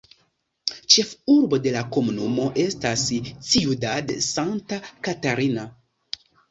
La ĉefurbo de la komunumo estas Ciudad Santa Catarina.